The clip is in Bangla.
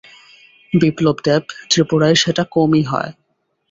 বিপ্লব দেব ত্রিপুরায় সেটা কমই হয়।